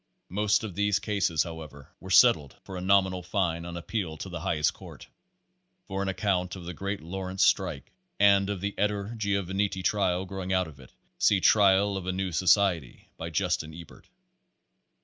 Most of these cases, however, were settled for a nominal fine on appeal to the higher court. (For an account of the great Law rence strike and of the Ettor Giovannitti trial growing out of it, see "Trial of a New Society," by Justus Ebert.)